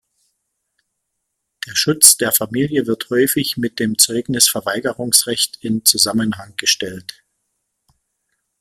Der Schutz der Familie wird häufig mit dem Zeugnisverweigerungsrecht in Zusammenhang gestellt.